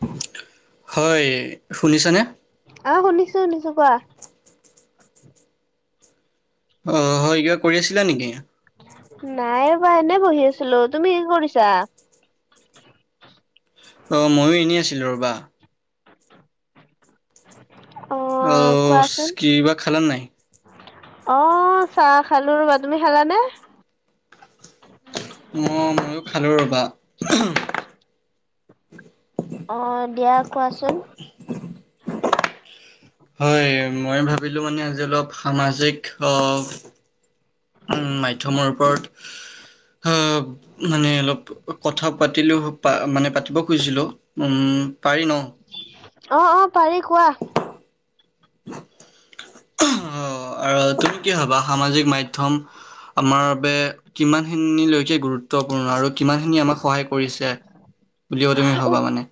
[inaudible] হয় শুনিছানে অ শুনিছো শুনিছো কোৱা অ হয় কিবা কৰি আছিলা নেকি নাইব এনে বহি আছিলো তুমি কি কৰিছা অ ময়ো এনেই আছিলো ৰ'বা অ কোৱাচোন কিবা খালা নাই অ চাহ খালো ৰবা তুমি খালানে অ' ময়ো [unintelligible] অ দিয়া কোৱাচোন হয় মই ভাবি উ পঠ হ মানে অলপ কথা পাতিলেও মানে পাতিব খুজিছিলো উম পাৰি ন অ অ পাৰি কোৱা অ আৰু তুমি কি ভবা সামাজিক মাধ্যম আমাৰ বাবে কিমান খিনিলৈকে গুৰুত্বপূৰ্ণ আৰু কিমান খিনি আমাক সহায় কৰিছে বুলিও তুমি ভাবা মানে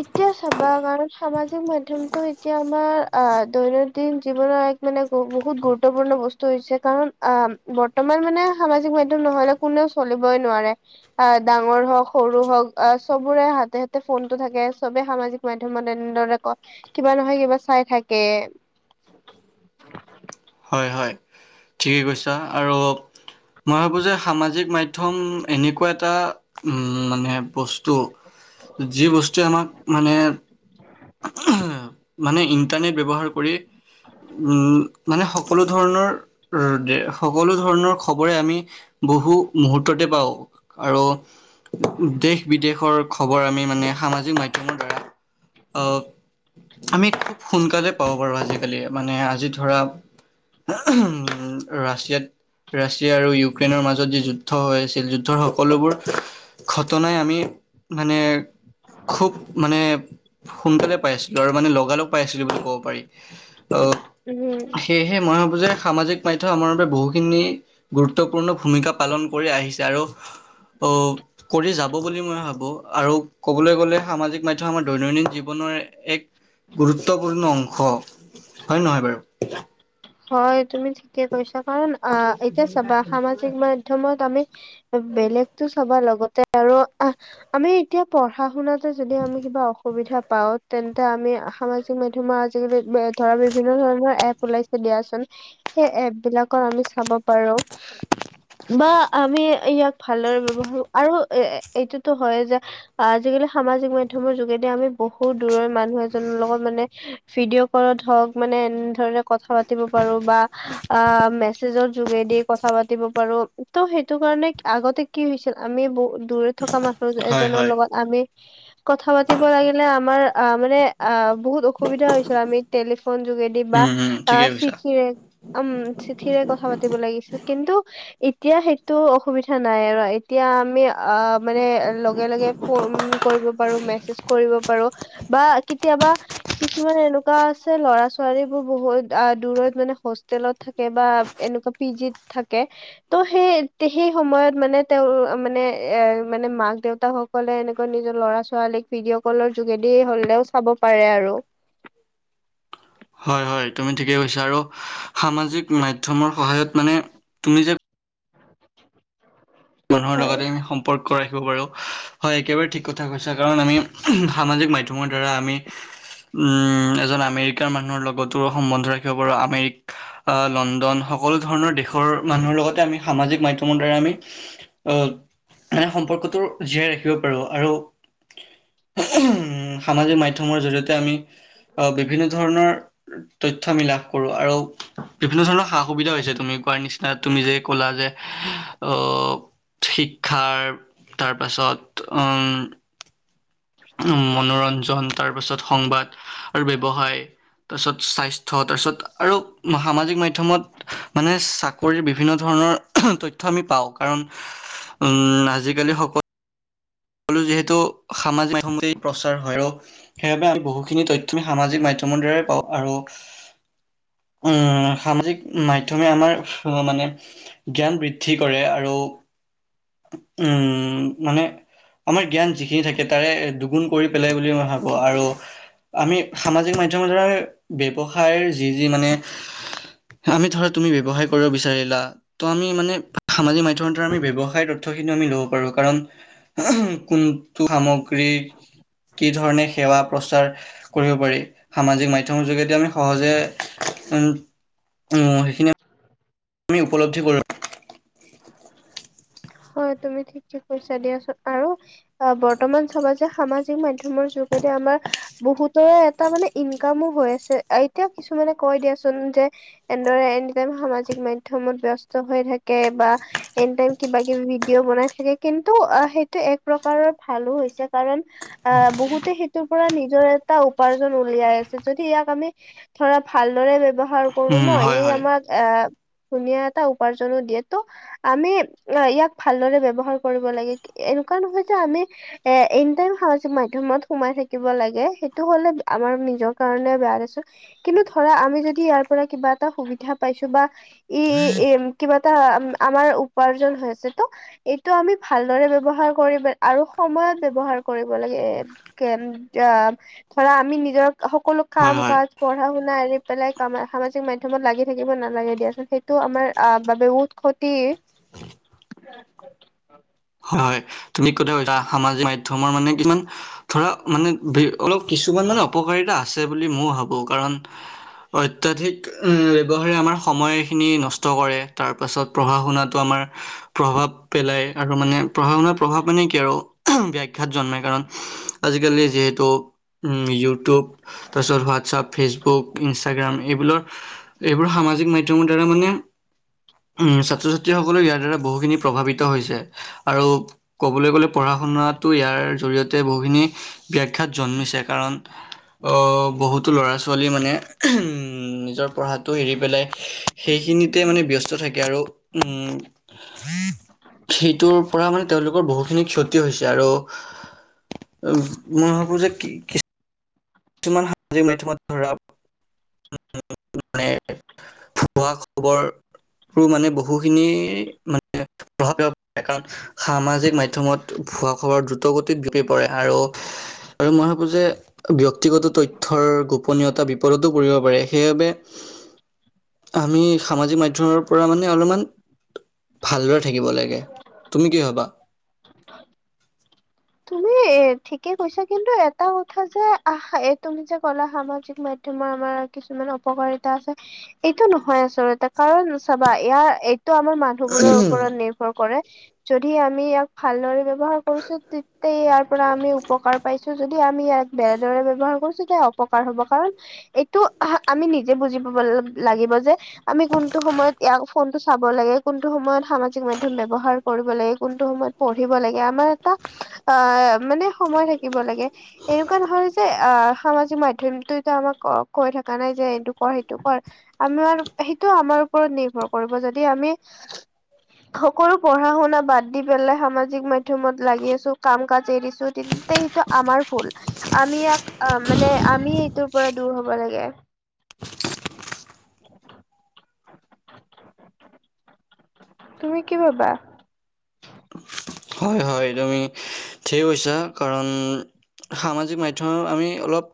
এতিয়া চাবা কাৰণ সামাজিক মাধ্যমটো এতিয়া আমাৰ আহ দৈনন্দিন জীৱনৰ মানে বহুত গুৰুত্বপূৰ্ণ বস্তু হৈছে কাৰণ আহ বৰ্তমান মানে সামাজিক মাধ্যম নহলে কোন নোৱে চলিবই নোৱাৰে আহ ডাঙৰ হওঁক সৰু আ চবৰে হাতে হাতে ফোন টো থাকে চবে সামাজিক মাধ্যমত এনেদৰে ক কিবা নহয় কিবা চাই থাকে [inaudible] হয় হয় ঠিকে কৈছা আৰু মই ভাবোঁ যে সামাজিক মাধ্যম এনেকুৱা এটা উম মানে বস্তু যি বস্তুৱে আমাক মানে মানে ইন্টাৰনেট ব্যৱহাৰ কৰি উম মানে সকলো ধৰণৰ সকলো ধৰণৰ খবৰে আমি বহু মুহূুৰ্ততে পাওঁ, আৰু দেশ বিদেশৰ খবৰ আমি মানে সামাজিক মাধ্যমৰ দ্বাৰা অ', আমি সোনকালে পাওঁ বাৰু আজিকালি, মানে আজি ধৰা [unintelligible] ৰাছিয়াত ৰাছিয়া আৰু ইউক্ৰেইনৰ মাজত যি যুদ্ধ হৈ আছিল, যুদ্ধৰ সকলোবোৰ ঘটনাই আমি, মানে, খুব মানে সোনকালে পাই আছিলোঁ আৰু মানে লগালগ পাই আছিলোঁ বুলি ক'ব পাৰি। অ', উম, সেয়েহে মই ভাবো যে সামাজিক মাধ্যম আমাৰ বাবে বহুখিনি, গুৰুত্বপূৰ্ণ ভূমিকা পালন কৰি আহিছে, আৰু অ', কৰি যাব বুলি মই ভাবো, আৰু ক'বলৈ গ'লে সামাজিক মাধ্যম আমাৰ দৈনন্দিন জীৱনৰ এক, গুৰুত্বপূৰ্ণ অংশ হয় নে নহয় বাৰু? হয়, তুমি ঠিকে কৈছা। কাৰণ অ, এতিয়া চাবা সামাজিক মাধ্যমত আমি, বেলেগ টো চাবা লগতে আৰু আহ, আমি এতিয়া পঢ়াশুনাতে যদি আমি কিবা অসুবিধা পাও। [unintelligible] তেন্তে আমি সামাজিক মাধ্যমৰ আজিকালি ধৰা বিভিন্ন ধৰণৰ এপ ওলাই দিয়াচোন, সেই এপ বিলাকত আমি চাব পাৰোঁ, বা আমি ইয়াক ভালদৰে ব্যৱহাৰ আৰু এ এইটোতো হয় যে আজিকালি সামাজিক মাধ্যমৰ যোগেদি এতিয়া আমি বহুত দূৰৰ মানুহ এজনৰ লগত মানে, ভিডিঅ' কলত হওক মানে এনেধৰণে কথা পা তিব পাৰোঁ বা, মেছেজৰ যোগেদি কথা পাতিব পাৰোঁ, ত' সেইটো কাৰণে আগতে কি হৈছিল আমি বহু দূৰে থকা মা [unintelligible] হয় এজনৰ হয় লগত আমি, কথা পাতিব লাগিলে আমাৰ আহ মানে আহ বহুত অসুবিধা হৈছিল আমি টেলিফোন যোগেদি বা উম উম ঠিকেই অ', কৈছা। চিঠিৰে উম, চিঠিৰে কথা পাতিব লাগিছিল, কিন্তু এতিয়া সেইটো অসুবিধা নাই আৰু এতিয়া আমি অ মানে লগে লগে ফোন কৰিব পাৰো মেছেজ কৰিব পাৰো। বা কেতিয়াবা কিছুমান এনেকুৱা আছে ল'ৰা ছোৱালী বোৰ বহুত অ দূৰত মানে হোষ্টেলত থাকে বা এনেকুৱা পি জিত থাকে ত' সেই সেই সময়ত মানে তেওঁৰ মানে এ মানে মাক দেউতা হওক কলে এনেকুৱা নিজৰ ল'ৰা ছোৱালীক ভিডিঅ' কলৰ যোগেদি হলেও চাব পাৰে আৰু। হয় হয় তুমি ঠিকেই কৈছা, আৰু সামাজিক মাধ্যমৰ সহায়ত মানে তুমি যে মানুহৰ হয়। লগতে আমি সম্পৰ্ক ৰাখিব পাৰো হয় একেবাৰে ঠিক কথা কৈছ কাৰণ আমি সামাজিক মাধ্যমৰ দ্বাৰা আমি উম এজন আমেৰিকাৰ মানুহৰ লগতো সম্বন্ধ ৰাখিব পাৰো আমেৰিকা লণ্ডন সকলো ধৰণৰ দেশৰ মানুহৰ লগতে আমি সামাজিক মাধ্যমৰ দ্বাৰা আমি আহ এ সম্পৰ্কটো জীয়াই ৰাখিব পাৰো আৰু উ সামাজিক মাধ্যমৰ জৰিয়তে আমি বিভিন্ন ধৰণৰ তথ্য আমি লাভ কৰো আৰু বিভিন্ন ধৰণৰ সা সুবিধা হৈছে তুমি কোৱাৰ নিচিনা তুমি যে ক'লা যে অহ শিক্ষাৰ তাৰ পাছত উ উ মনোৰঞ্জন তাৰপাছত সংবাদ আৰু ব্যৱসায় তাৰ পাছত স্বাস্থ ছ তাৰপিছত আৰু সামাজিক মাধ্যমত মানে চাক কৰি বিভিন্ন ধৰণৰ তথ্য আমি পাওঁ কাৰণ আজিকালি সকল সকলো যিহেতু সামাজিক মাধ্মতেই প্ৰচাৰ হয় আৰু সেইবাবে আমি বহুখিনি তথ্য আমি সামাজিক মাধয়ম মন্দিৰৰে পাওঁ আৰু উম সামাজিক মাধ্যমে আমাৰ মানে জ্ঞান বৃদ্ধি কৰে আৰু উ মানে আমাৰ জ্ঞান যিখিনি থাকে তাৰে দুগুণ কৰি পেলাই বুলি মই ভাবোঁ আৰু আমি সামাজিক মাধ্যমৰ দ্বাৰা ব্যৱসায়ৰ যি যি মানে আমি ধৰা তুমি ব্যৱসায় কৰিব বিচাৰিলা ত' আমি মানে সামাজিক মাধ্যমৰে আমি ব্যৱসায় তথ আমি ল'ব পাৰো কাৰণ কোনটো সামগ্ৰী কি ধৰণে সেৱা প্ৰচাৰ কৰিব পাৰি সামাজিক মাধ্যমৰ যোগেদি আমি সহজে উ, উ সেইখিনিয়ে আমি উপলব্ধি কৰো। হয় তুমি ঠিক ঠিক কৈছা দিয়াচোন, আৰু অ' বৰ্তমান চবা যে সামাজিক মাধ্যমৰ যু আমাৰ বহুতৰে এটা মানে ইনকামো হৈ আছে, এতিয়া কিছুমানে কৈ দিয়াচোন যে এনেদৰে এনিটাইম সামাজিক মাধ্যমত ব্যস্ত হৈ থাকে বা এনিটাইম কিবা কিবি ভিডিঅ' বনাই থাকে কিন্তু আ সেইটো এক প্ৰকাৰৰ ভালো হৈছে কাৰণ আহ বহুতে সেইটোৰ পৰা নিজৰ এটা উপাৰ্জন উলিয়াই আছে যদি ইয়াক আমি ধৰা ভাল্লৰে ব্যৱহ ব্যৱহাৰ কৰো উম ন' হয় এই হয় আমাক এ ধুনীয়া এটা উপাৰ্জনো দিয়ে ত' আমি অ' ইয়াক ভালদৰে ব্যৱহাৰ কৰিব লাগে এনেকুৱা নহয় যে আমি এ এনিটাইম সাজিক মাধ্যম মত সোমাই থাকিব লাগে, সেইটো হলে আমাৰ নিজৰ কাৰণে বেয়া দিছো, কিন্তু ধৰা আমি যদি ইয়াৰ পৰা কিবা এটা সুবিধা পাইছো বা ই এম কিবা এটা আমাৰ উপাৰ জন হৈছে ত' এইটো আমি ভালদৰে ব্যৱহাৰ কৰিব, আৰু সময়ত ব্যয়ৱহাৰ কৰিব লাগে। [unintelligible] ধৰা, আমি নিজৰ সকলো হয় কাম, হয় কাজ, পঢ়া, শুনা এৰি পেলাই, কামা সাঁ মাজিক মাধ্যয়মত লাগি থাকিব নালাগে দিয়াচোন, সেইটো আমাৰ আহ, বাবে উত ক্ষতি [inaudible] হয় হয়, তুমি ক'থা কৈছা সামাজিক মাধ্যমৰ মানে কিছুমান ধৰা মানে অলপ কিছুমান মানে, অপকাৰিতা আছে বুলি মইও ভাবোঁ, কাৰণ অত্যাধিক ব্যৱহাৰে আমাৰ সময়খিনি নষ্ট কৰে তাৰ পাছত পঢ়া শুনাটো আমাৰ প্ৰভাৱ পেলাই। আৰু মানে, পঢ়া শুনাৰ প্ৰভাৱ মানে কি আৰু, ব্যাঘাত জন্মাই কাৰণ আজিকালি যিহেতু উম, ইউটিউব তাৰ পিছত, হোৱাটছআপ, ফেচবুক, ইনষ্টাগ্ৰাম এইবোৰৰ এইবোৰ সাঁ সামাজিক মাধ্যমৰ দ্বাৰা মানে, ছাত্ৰ ছাত্ৰীসকলেও ইয়াৰ দ্বাৰা বহুখিনি প্ৰভাৱিত হৈছে। আৰু ক'বলৈ গ'লে পঢ়া শুনাতো ইয়াৰ জৰিয়তে বহুখিনি ব্যাঘাত জন্মিছে। কাৰণ, অ', বহুতো ল'ৰা ছোৱালী মানে, নিজৰ পঢ়া এৰি পেলাই, সেইখিনিতে মানে ব্যস্ত থাকে, আৰু সেইটোৰ পৰা মানে তেওঁলোকৰ বহুখিনি ক্ষতি হৈছে। আৰু মই ভাবো যে, কি কিছুমান সামাজিক মাধ্যমত ধৰা, [unintelligible] মানে ভূৱা খবৰ, মানে বহুখিনি মানে প্ৰভাৱ [unintelligible] কাৰণ, সামাজিক মাধ্যমত ভুৱা খবৰ দ্ৰুত গতিত বিয়পি পৰে, আৰু আৰু মই ভাবো যে, ব্যক্তি ব্যক্তিগত তথ্যৰ গোপনীয়তা বিপদতো পৰিব পাৰে, সেইবাবে আমি সামাজিক মাধ্যমৰ পৰা মানে অলপমান ভালদৰে থাকিব লাগে, তুমি কি ভাবা? তুমি, এ ঠিকে কৈছা কিন্তু এটা কথা যে, আহ তুমি যে কলা সামাজিক মাধ্যমৰ আমাৰ কিছুমান অপকাৰিতা আছে, এইটো নহয় আচলতে, কাৰণ চাবা ইয়াৰ ত' আমাৰ মানুহবোৰৰ ওপৰত নিৰ্ভৰ কৰে। যদি আমি ইয়াক ভালদৰে ব্যৱহাৰ কৰিছো তে তে ইয়াৰ পৰা আমি উপকাৰ পাইছো, যদি আমি ইয়াক বেয়াদৰে ব্যৱহাৰ কৰিছো, তেতিয়া অপকাৰ হব। কাৰণ এইটো, আমি নিজে বুজি পাব লাগিব যে, আমি কোনটো সময়ত ইয়াক ফোনটো চাব লা গে, কোনটো সময়ত সামাজিক মাধ্যয়ম ব্যৱহাৰ কৰিব লাগে, কোনটো সময়ত পঢ়িব লাগে। আমাৰ এটা আহ, মানে সময় থাকিব লাগে। এনেকুৱা নহয় যে, আহ, সামাজিক মাধ্যয়ম টো এতিয়া আমাক কৈ থকা নাই যে, এইটো কৰ' সেইটো কৰ'। আমাৰ, সেইটো আমাৰ ওপৰত নিৰ্ভৰ কৰিব, যদি আমি সকলো পঢ়া শুনা বাদ দি পেলাই সামাজিক মাধ্যয়মত লাগি আছো কাম কাজ এৰিছো, তেন্তে সেইটো আমাৰ ভুল। আমি ইয়াক আ, মানে আমি এইটোৰ পৰা দু দোৰ হ'ব লাগে। [inaudible] তুমি কি ভাবা? হয়-হয়, তুমি ঠিকে কৈছা, কাৰণ সামাজিক মাধ্যমত আমি অলপ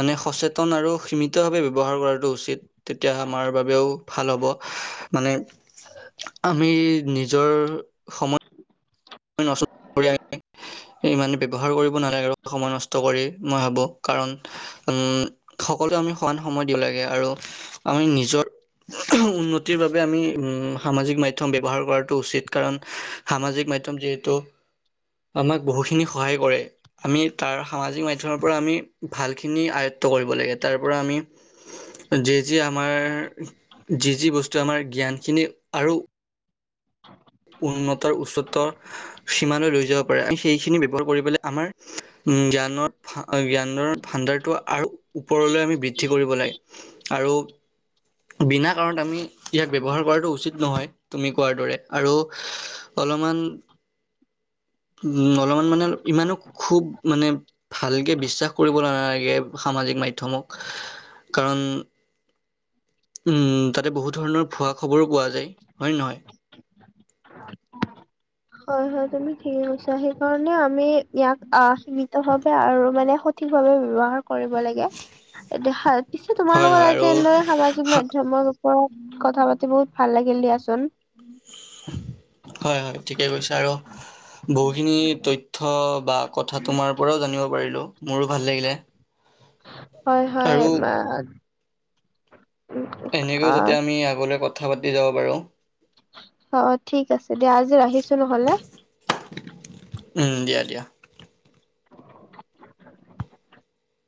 মানে সচেতন আৰু সীমিতভাৱে, ব্যৱহাৰ কৰাটো উচিত। তেতিয়া আমাৰ বাবেও, ভাল হ'ব। মানে আমি নিজৰ সময় [unintelligible] কৰি ইমানে ব্যৱহাৰ কৰিব নালাগে আৰু সময় নষ্ট কৰি। মই ভাবো, কাৰণ উম, সকলোৱে আমি সমান সময় দিব লাগে, আৰু আমি নিজৰ উন্নতিৰ বাবে আমি, উম, সামাজিক মাধ্যয়ম ব্যৱহাৰ কৰাটো উচিত, কাৰণ সামাজিক মাধ্য ম, যিহেতু আমাক বহুখিনি সহায় কৰে। আমি তাৰ, সামাজিক মাধ্যমৰ পৰা, আমি ভালখিনি আয়ত কৰিব লাগে, তাৰ পৰা আমি যি যি আমাৰ যি যি বস্তু আমাৰ জ্ঞানখিনি আৰু উন্নতৰ উচ্চত [inaudible] সীমালৈ লৈ যাব পাৰে, সেইখিনি ব্যৱহাৰ কৰিবলৈ আমাৰ উম জ্ঞানৰ জ্ঞানৰ ভাণ্ডাৰ টো আৰু ওপৰলৈ আমি বৃদ্ধি কৰিব লাগে, আৰু বিনা কাৰণত আমি ইয়াক ব্যৱহাৰ কৰাটো উচিত নহয়, তুমি কোৱাৰ দৰে আৰু অলপমান উম, অলপমান মানে ইমানো খুব মানে ভালকে বিশ্বাস কৰিব নালাগে। সামাজিক মাধ্যমক, কাৰণ উম, তাতেই বহু ধৰণৰ ভুৱা খবৰো পোৱা যায়, হয় নে নহয়? হয় হয়, তুমি ঠিকেই কৈছা, সেইকাৰণে আমি ইয়াক আহ সীমিত ভাৱে আৰু মানে সঠিকভাৱে ব্যৱহাৰ কৰিব লাগে। এটি সা পিছে তোমাৰ হয় হয় লগত আৰু আজি এনেদৰে সামাজিক হা- মাধ্যমৰ ওপৰত কথা পাতি বহুত ভাল লাগিল দিয়াচোন। হয় হয়। ঠিকেই কৈছা আৰু। বহুখিনি তথ্য বা কথা তোমাৰ পৰাও জানিব পাৰিলো মোৰো ভাল লাগিলে। হয় হয়। আৰু ম এনেকৈও যাতে আমি আগলৈও কথা পাতি যাব পাৰো। অ ঠিক আছে। তেতিয়া আজি ৰাখিছোঁ নহ'লে। উম, দিয়া দিয়া